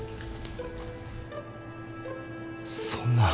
そんな。